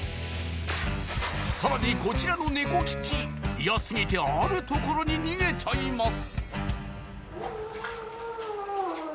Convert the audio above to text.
さらにこちらのネコ吉嫌すぎてある所に逃げちゃいます